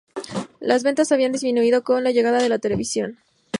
Las ventas habían disminuido con la llegada de la televisión.